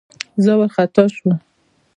زه وارخطا شوم.